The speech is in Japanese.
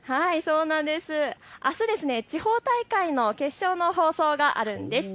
あす地方大会の決勝の放送があるんです。